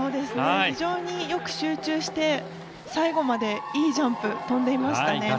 非常によく集中して最後までいいジャンプ跳んでいましたね。